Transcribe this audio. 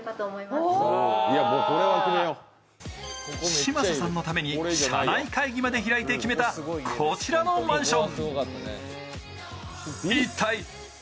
嶋佐さんのために社内会議まで開いて決めたこちらのマンション。